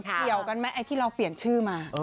เกี่ยวกันไหมไอ้ที่เราเปลี่ยนชื่อมา